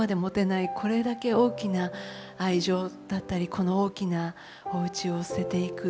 これだけ大きな愛情だったりこの大きなおうちを捨てていく。